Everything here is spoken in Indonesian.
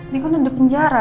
dia kan udah di penjara